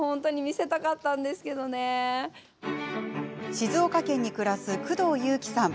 静岡県で暮らす工藤夕貴さん。